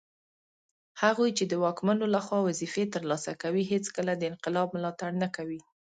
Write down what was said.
هغوی چي د واکمنو لخوا وظیفې ترلاسه کوي هیڅکله د انقلاب ملاتړ نه کوي